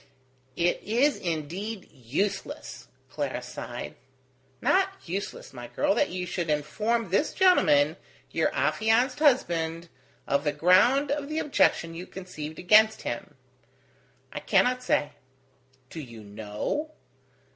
"It is indeed useless," Clara sighed. "Not useless, my girl, that you should inform this gentleman, your affianced husband, of the ground of the objection you conceived against him." "I cannot say." "Do you know?"